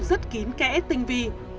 rất kín kẽ tinh vi